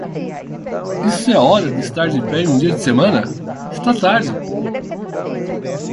Isso é hora de estar de pé em um dia de semana? Está tarde!